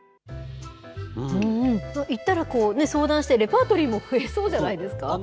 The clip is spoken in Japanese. いったら、相談してレパートリーも増えそうじゃないですか。